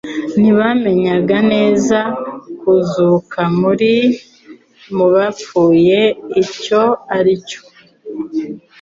Ntibamenyaga neza kuzuka mu bapfuye icyo ari cyo